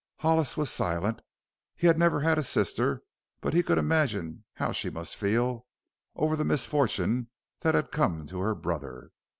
Hollis was silent. He had never had a sister but he could imagine how she must feel over the misfortune that had come to her brother.